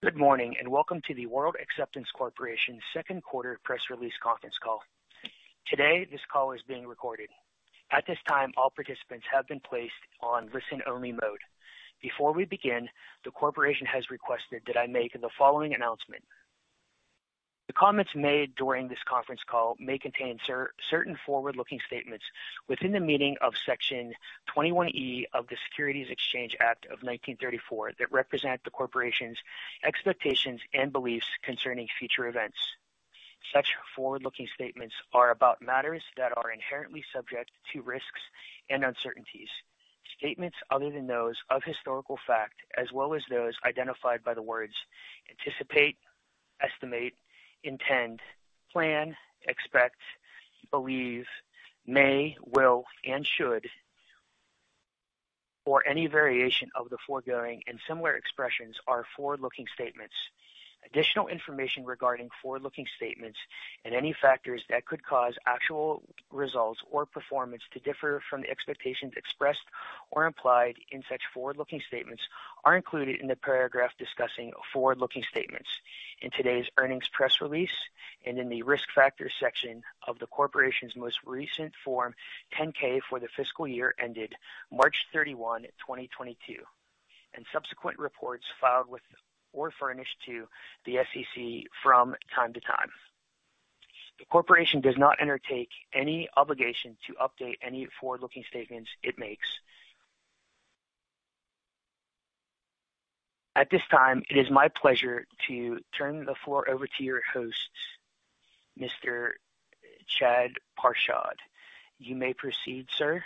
Good morning, and welcome to the World Acceptance Corporation second quarter press release conference call. Today, this call is being recorded. At this time, all participants have been placed on listen-only mode. Before we begin, the corporation has requested that I make the following announcement. The comments made during this conference call may contain certain forward-looking statements within the meaning of Section 21E of the Securities Exchange Act of 1934 that represent the corporation's expectations and beliefs concerning future events. Such forward-looking statements are about matters that are inherently subject to risks and uncertainties. Statements other than those of historical fact, as well as those identified by the words anticipate, estimate, intend, plan, expect, believe, may, will, and should, or any variation of the foregoing and similar expressions are forward-looking statements. Additional information regarding forward-looking statements and any factors that could cause actual results or performance to differ from the expectations expressed or implied in such forward-looking statements are included in the paragraph discussing forward-looking statements in today's earnings press release and in the Risk Factors section of the corporation's most recent Form 10-K for the fiscal year ended March 31, 2022, and subsequent reports filed with or furnished to the SEC from time to time. The corporation does not undertake any obligation to update any forward-looking statements it makes. At this time, it is my pleasure to turn the floor over to your host, Mr. Chad Prashad. You may proceed, sir.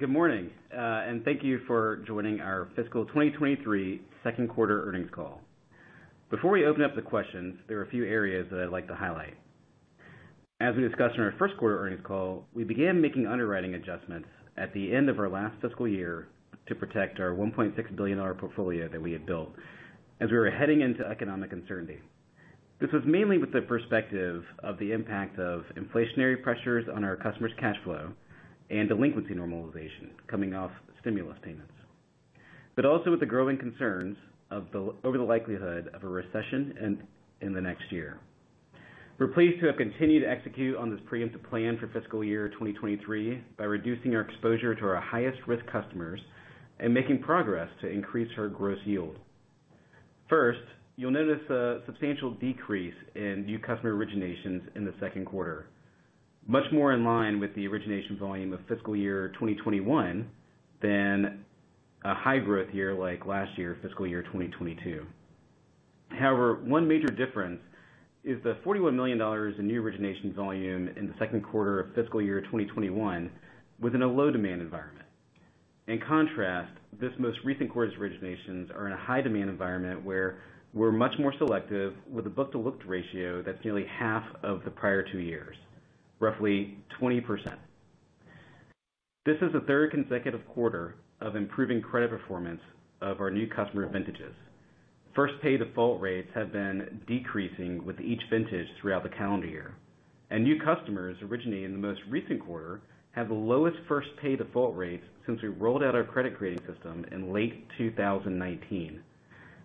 Good morning, and thank you for joining our fiscal 2023 second quarter earnings call. Before we open up the questions, there are a few areas that I'd like to highlight. As we discussed in our first quarter earnings call, we began making underwriting adjustments at the end of our last fiscal year to protect our $1.6 billion portfolio that we had built as we were heading into economic uncertainty. This was mainly with the perspective of the impact of inflationary pressures on our customers' cash flow and delinquency normalization coming off stimulus payments, but also with the growing concerns over the likelihood of a recession in the next year. We're pleased to have continued to execute on this preemptive plan for fiscal year 2023 by reducing our exposure to our highest-risk customers and making progress to increase our gross yield. First, you'll notice a substantial decrease in new customer originations in the second quarter, much more in line with the origination volume of fiscal year 2021 than a high-growth year like last year, fiscal year 2022. However, one major difference is the $41 million in new origination volume in the second quarter of fiscal year 2021 was in a low-demand environment. In contrast, this most recent quarter's originations are in a high-demand environment, where we're much more selective with a look-to-book ratio that's nearly half of the prior two years, roughly 20%. This is the third consecutive quarter of improving credit performance of our new customer vintages. First-pay default rates have been decreasing with each vintage throughout the calendar year, and new customers originating in the most recent quarter have the lowest first-pay default rates since we rolled out our credit grading system in late 2019.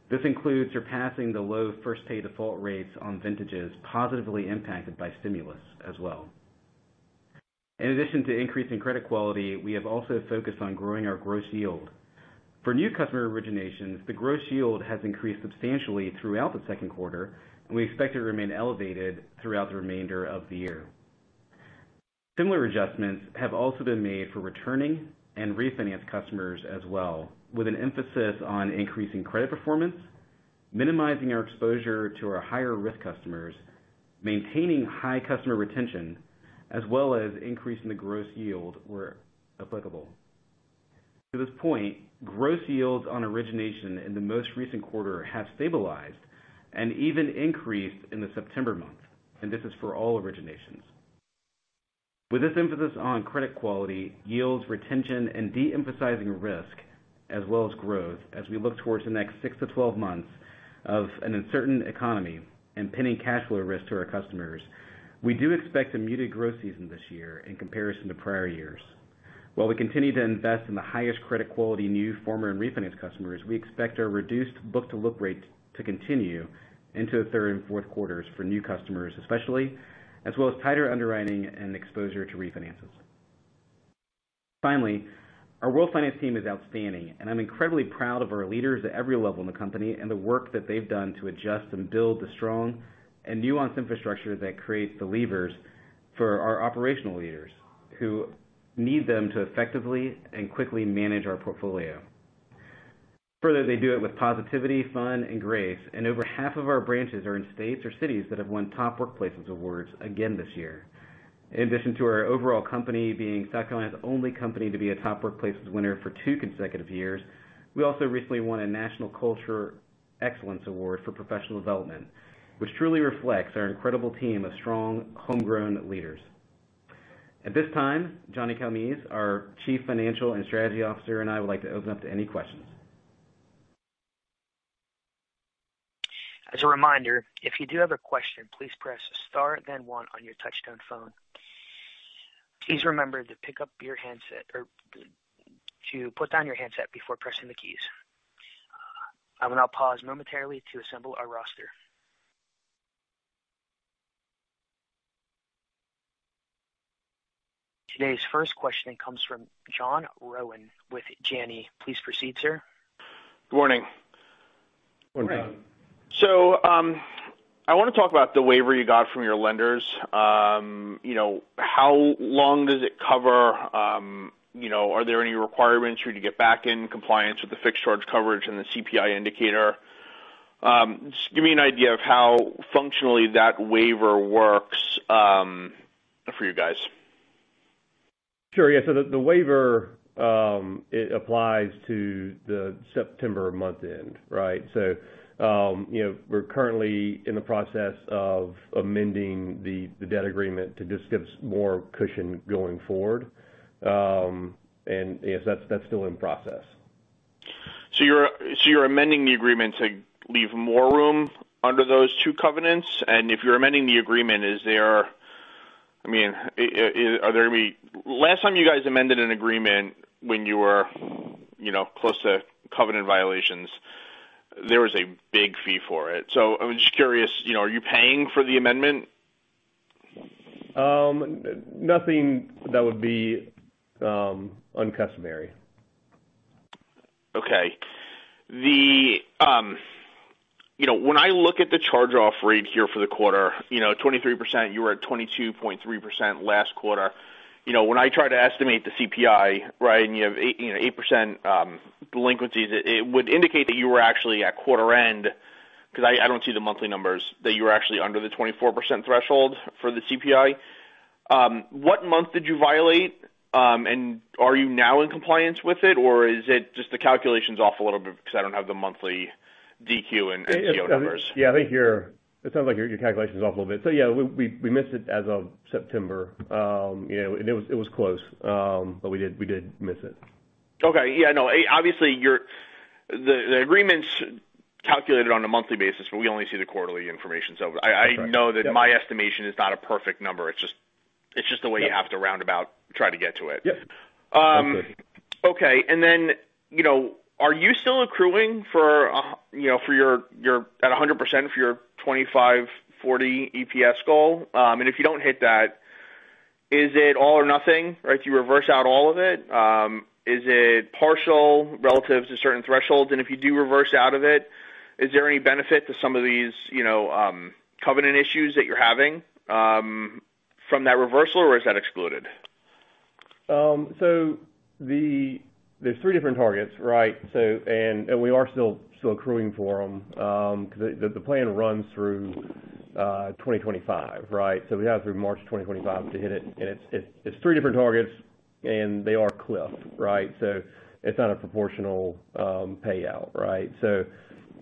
This includes surpassing the low first-pay default rates on vintages positively impacted by stimulus as well. In addition to increasing credit quality, we have also focused on growing our gross yield. For new customer originations, the gross yield has increased substantially throughout the second quarter, and we expect it to remain elevated throughout the remainder of the year. Similar adjustments have also been made for returning and refinance customers as well, with an emphasis on increasing credit performance, minimizing our exposure to our higher-risk customers, maintaining high customer retention, as well as increasing the gross yield where applicable. To this point, gross yields on origination in the most recent quarter have stabilized and even increased in the September month, and this is for all originations. With this emphasis on credit quality, yields, retention, and de-emphasizing risk as well as growth as we look towards the next six to 12 months of an uncertain economy and pending cash flow risk to our customers, we do expect a muted growth season this year in comparison to prior years. While we continue to invest in the highest credit quality new, former, and refinance customers, we expect our reduced look-to-book ratio to continue into the third and fourth quarters for new customers especially, as well as tighter underwriting and exposure to refinances. Finally, our World Finance team is outstanding, and I'm incredibly proud of our leaders at every level in the company and the work that they've done to adjust and build the strong and nuanced infrastructure that creates the levers for our operational leaders who need them to effectively and quickly manage our portfolio. Further, they do it with positivity, fun, and grace, and over half of our branches are in states or cities that have won Top Workplaces awards again this year. In addition to our overall company being South Carolina's only company to be a Top Workplaces winner for two consecutive years, we also recently won a Top Workplaces National Culture Excellence Award for professional development, which truly reflects our incredible team of strong homegrown leaders. At this time, Johnny Calmes, our Chief Financial & Strategy Officer, and I, would like to open up to any questions. As a reminder, if you do have a question, please press star then one on your touch-tone phone. Please remember to pick up your handset or to put down your handset before pressing the keys. I will now pause momentarily to assemble our roster. Today's first questioning comes from John Rowan with Janney. Please proceed, sir. Good morning. Good morning. I want to talk about the waiver you got from your lenders. You know, how long does it cover? You know, are there any requirements for you to get back in compliance with the fixed charge coverage and the CPI indicator? Just give me an idea of how functionally that waiver works, for you guys. Sure. Yeah. The waiver it applies to the September month end, right? You know, we're currently in the process of amending the debt agreement to just give us more cushion going forward. Yes, that's still in process. You're amending the agreement to leave more room under those two covenants? If you're amending the agreement, are there gonna be? Last time you guys amended an agreement when you were, you know, close to covenant violations, there was a big fee for it. I'm just curious, you know, are you paying for the amendment? Nothing that would be uncustomary. Okay. The you know, when I look at the charge-off rate here for the quarter, you know, 23%, you were at 22.3% last quarter. You know, when I try to estimate the CPI, right, and you have 8% delinquencies, it would indicate that you were actually at quarter end, 'cause I don't see the monthly numbers, that you were actually under the 24% threshold for the CPI. What month did you violate? Are you now in compliance with it, or is it just the calculation's off a little bit because I don't have the monthly DQ and PO numbers? Yeah, I think it sounds like your calculation's off a little bit. Yeah, we missed it as of September. You know, it was close, but we did miss it. Okay. Yeah, no. Obviously, the agreement's calculated on a monthly basis, but we only see the quarterly information. I- That's right. Know that my estimation is not a perfect number. It's just the way you have to roundabout try to get to it. Yeah. You know, are you still accruing for, you know, for your at 100% for your $25.40 EPS goal? If you don't hit that, is it all or nothing? Right. Do you reverse out all of it? Is it partial relative to certain thresholds? If you do reverse out of it, is there any benefit to some of these, you know, covenant issues that you're having, from that reversal, or is that excluded? There's three different targets, right? We are still accruing for them, 'cause the plan runs through 2025, right? We have through March 2025 to hit it. It's three different targets, and they are cliff, right? It's not a proportional payout, right?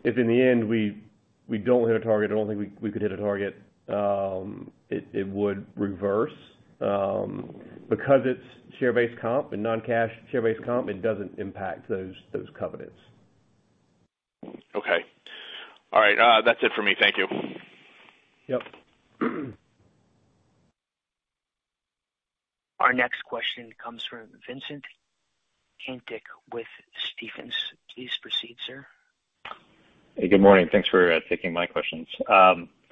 If in the end we don't hit a target, I don't think we could hit a target, it would reverse. Because it's share-based comp and non-cash share-based comp, it doesn't impact those covenants. Okay. All right. That's it for me. Thank you. Yep. Our next question comes from Vincent Caintic with Stephens. Please proceed, sir. Hey, good morning. Thanks for taking my questions.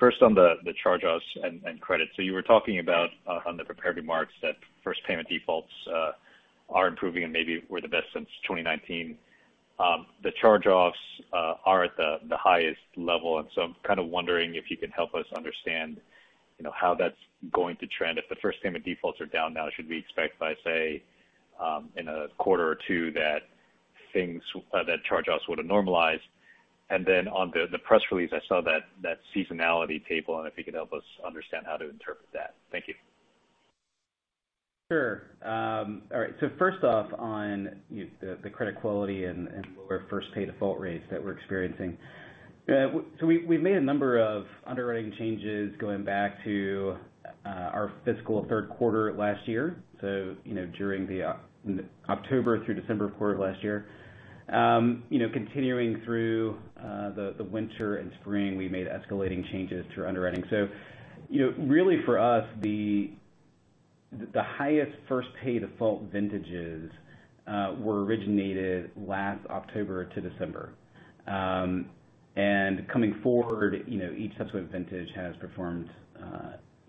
First on the charge-offs and credit. You were talking about on the prepared remarks that first payment defaults are improving and maybe were the best since 2019. The charge-offs are at the highest level, and so I'm kind of wondering if you can help us understand, you know, how that's going to trend. If the first payment defaults are down now, should we expect by, say, in a quarter or two that charge-offs would have normalized? On the press release, I saw that seasonality table, and if you could help us understand how to interpret that. Thank you. Sure. All right. First off on the credit quality and lower first-pay default rates that we're experiencing. We have made a number of underwriting changes going back to our fiscal third quarter last year, you know, during the October through December quarter of last year. You know, continuing through the winter and spring, we made escalating changes to our underwriting. You know, really for us, the highest first-pay default vintages were originated last October to December. Coming forward, you know, each subsequent vintage has performed,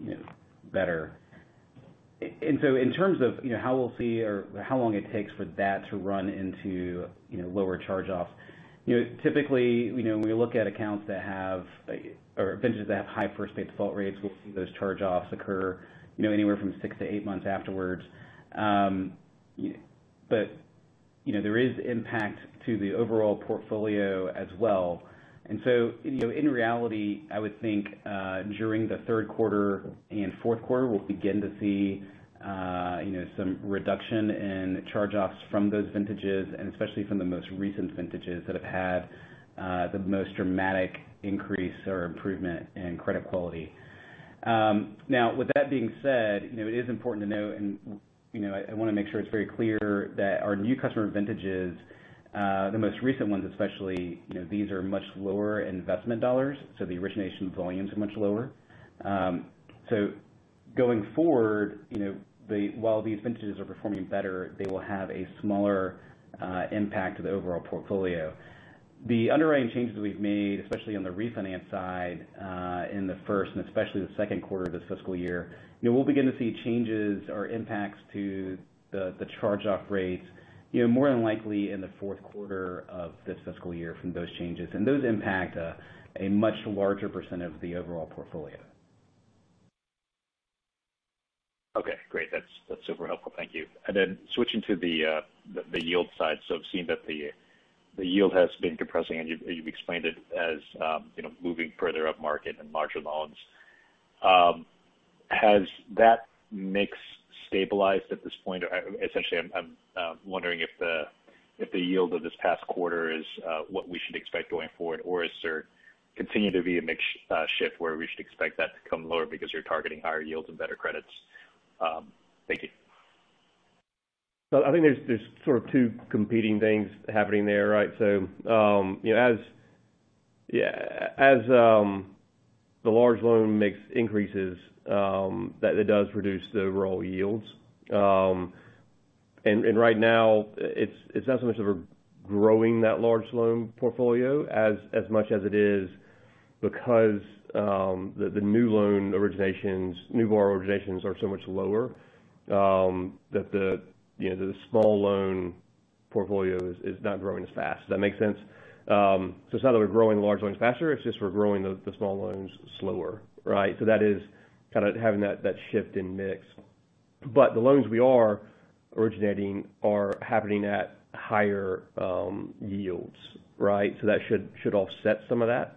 you know, better. In terms of, you know, how we'll see or how long it takes for that to run into, you know, lower charge-offs, you know, typically, you know, when we look at accounts that have, or vintages that have high first-pay default rates, we'll see those charge-offs occur, you know, anywhere from six to eight months afterwards. You know, there is impact to the overall portfolio as well. You know, in reality, I would think, during the third quarter and fourth quarter, we'll begin to see, you know, some reduction in charge-offs from those vintages and especially from the most recent vintages that have had, the most dramatic increase or improvement in credit quality. Now with that being said, you know, it is important to note, and, you know, I wanna make sure it's very clear that our new customer vintages, the most recent ones especially, you know, these are much lower investment dollars, so the origination volumes are much lower. So going forward, you know, while these vintages are performing better, they will have a smaller impact to the overall portfolio. The underwriting changes we've made, especially on the refinance side, in the first and especially the second quarter of this fiscal year, you know, we'll begin to see changes or impacts to the charge-off rates, you know, more than likely in the fourth quarter of this fiscal year from those changes. Those impact a much larger percent of the overall portfolio. Okay, great. That's super helpful. Thank you. Switching to the yield side. I've seen that the yield has been compressing and you've explained it as, you know, moving further upmarket in larger loans. Has that mix stabilized at this point? Or essentially I'm wondering if the yield of this past quarter is what we should expect going forward or is there continue to be a mix shift where we should expect that to come lower because you're targeting higher yields and better credits? Thank you. I think there's sort of two competing things happening there, right? You know, as the large loan mix increases, that it does reduce the overall yields. Right now it's not so much that we're growing that large loan portfolio as much as it is because the new loan originations, new borrower originations are so much lower, that you know, the small loan portfolio is not growing as fast. Does that make sense? It's not that we're growing large loans faster, it's just we're growing the small loans slower, right? That is kinda having that shift in mix. The loans we are originating are happening at higher yields, right? That should offset some of that.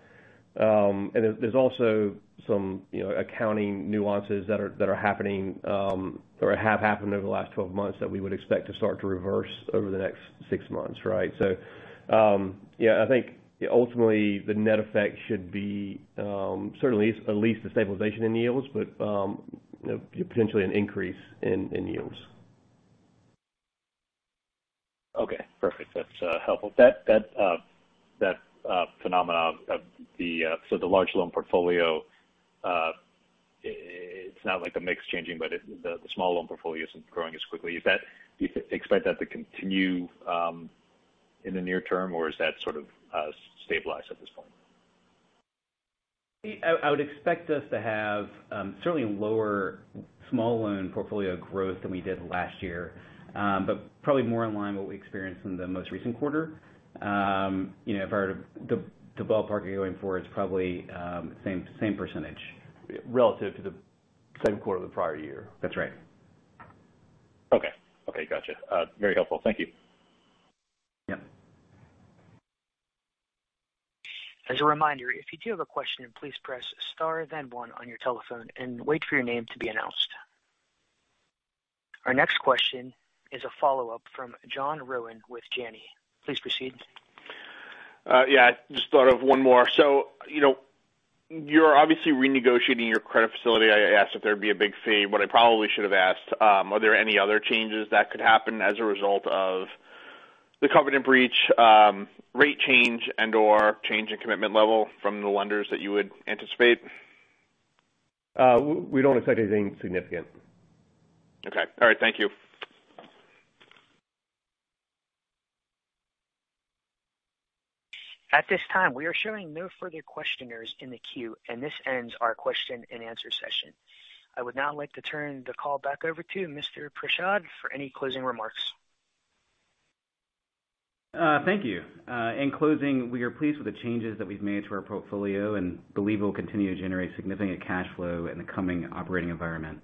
There's also some, you know, accounting nuances that are happening or have happened over the last 12 months that we would expect to start to reverse over the next six months, right? Yeah, I think ultimately the net effect should be certainly at least a stabilization in yields, but you know, potentially an increase in yields. Okay, perfect. That's helpful. That phenomenon of the large loan portfolio, it's not like the mix changing, but it's the small loan portfolio isn't growing as quickly. Is that? Do you expect that to continue in the near term, or has that sort of stabilized at this point? I would expect us to have certainly lower small loan portfolio growth than we did last year. Probably more in line with what we experienced in the most recent quarter. You know, the ballpark you're going for is probably same percentage. Relative to the same quarter of the prior year. That's right. Okay. Gotcha. Very helpful. Thank you. Yeah. As a reminder, if you do have a question, please press star then one on your telephone and wait for your name to be announced. Our next question is a follow-up from John Rowan with Janney. Please proceed. Yeah, just thought of one more. You know, you're obviously renegotiating your credit facility. I asked if there'd be a big fee. What I probably should have asked, are there any other changes that could happen as a result of the covenant breach, rate change and/or change in commitment level from the lenders that you would anticipate? We don't expect anything significant. Okay. All right. Thank you. At this time, we are showing no further questioners in the queue, and this ends our question-and-answer session. I would now like to turn the call back over to Mr. Prashad for any closing remarks. Thank you. In closing, we are pleased with the changes that we've made to our portfolio and believe we'll continue to generate significant cash flow in the coming operating environment.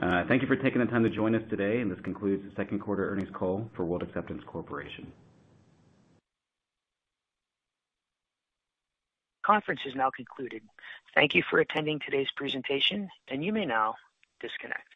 Thank you for taking the time to join us today, and this concludes the second quarter earnings call for World Acceptance Corporation. Conference is now concluded. Thank you for attending today's presentation, and you may now disconnect.